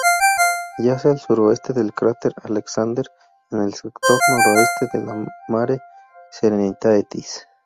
Yace al suroeste del cráter Alexander, en el sector noroeste del Mare Serenitatis.